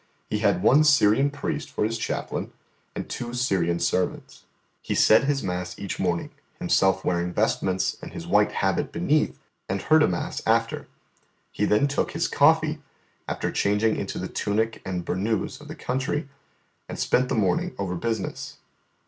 He had one Syrian priest for His chaplain, and two Syrian servants. He said His mass each morning, Himself wearing vestments and His white habit beneath, and heard a mass after. He then took His coffee, after changing into the tunic and burnous of the country, and spent the morning over business.